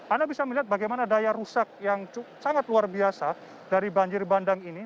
anda bisa melihat bagaimana daya rusak yang sangat luar biasa dari banjir bandang ini